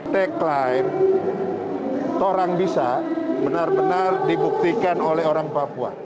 tagline orang bisa benar benar dibuktikan oleh orang papua